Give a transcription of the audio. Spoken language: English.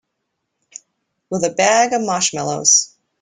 With a bag of marshmallows.